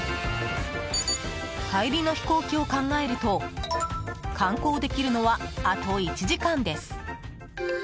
帰りの飛行機を考えると観光できるのは、あと１時間です。